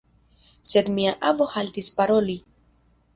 Sed mia avo haltis paroli.